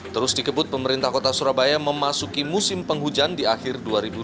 terus dikebut pemerintah kota surabaya memasuki musim penghujan di akhir dua ribu dua puluh